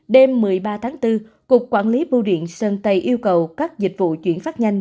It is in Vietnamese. đêm một mươi ba tháng bốn cục quản lý bưu điện sơn tây yêu cầu các dịch vụ chuyển phát nhanh